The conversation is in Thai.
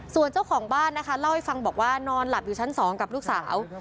ส่วนเจ้าของบ้านนะคะเล่าให้ฟังบอกว่านอนหลับอยู่ชั้น๒กับลูกสาว